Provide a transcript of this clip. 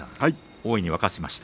大いに沸かせました。